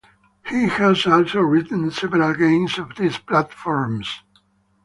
He has also written several games on these platforms.